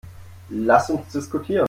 Lass uns diskutieren.